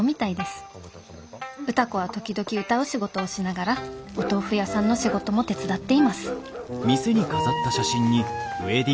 歌子は時々歌う仕事をしながらお豆腐屋さんの仕事も手伝っています」。